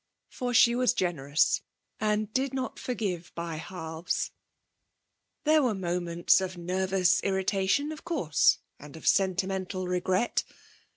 For she was generous and did not forgive by halves. There were moments of nervous irritation, of course, and of sentimental regret.